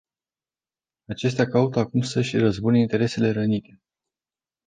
Acestea caută acum să își răzbune interesele rănite.